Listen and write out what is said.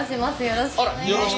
よろしくお願いします。